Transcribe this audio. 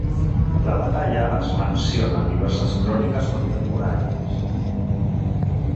La batalla es menciona a diverses cròniques contemporànies.